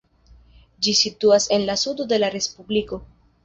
Ĝi situas en la sudo de la respubliko.